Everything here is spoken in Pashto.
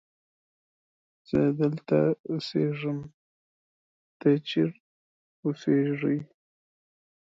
زه دلته اسیږم ته چیرت اوسیږی